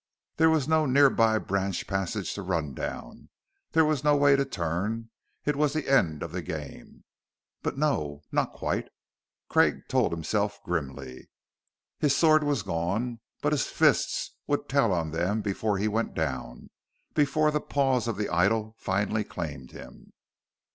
There was no nearby branch passage to run down; there was no way to turn. It was the end of the game.... But no, not quite, Craig told himself grimly. His sword was gone, but his fists would tell on them before he went down, before the paws of the idol finally claimed him....